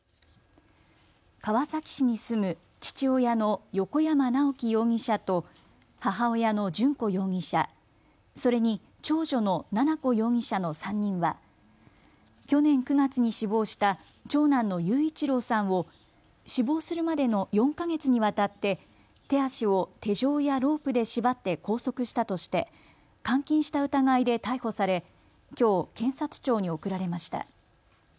川崎市に住む父親の横山直樹容疑者と母親の順子容疑者、それに長女の奈々子容疑者の３人は去年９月に死亡した長男の雄一郎さんを死亡するまでの４か月にわたって手足を手錠やロープで縛って拘束したとして監禁した疑いで逮捕されきょう検察庁に送られました。